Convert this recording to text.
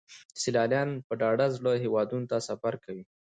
سیلانیان په ډاډه زړه هیواد ته سفر کوي.